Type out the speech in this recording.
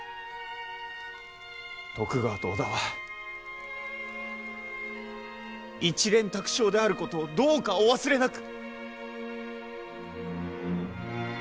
徳川と織田は一蓮托生であることをどうかお忘れなく！